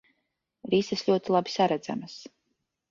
Rises ļoti labi saredzamas.